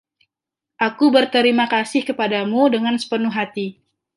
Aku berterima kasih kepadamu dengan sepenuh hati.